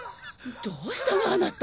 どうしたのあなた。